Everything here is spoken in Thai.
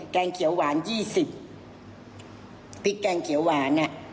แกงเขียวหวาน๒๐พริกแกงเขียวหวานอ่ะ